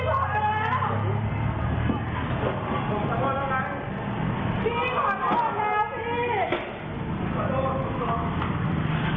ขอโทษครับคุณผู้ชม